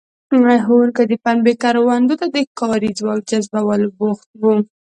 ښوونکي د پنبې کروندو ته د کاري ځواک جذبولو بوخت وو.